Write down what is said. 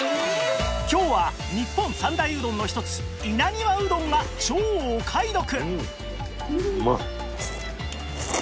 今日は日本三大うどんの一つ稲庭うどんが超お買い得！